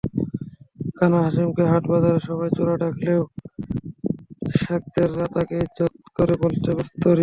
কানা হাশিমকে হাটবাজারে সবাই চোরা ডাকলেও সাকরেদরা তাকে ইজ্জত করে বলত মেস্তরি।